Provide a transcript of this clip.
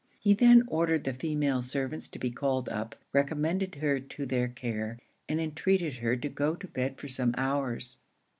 He then ordered the female servants to be called up, recommended her to their care, and entreated her to go to bed for some hours.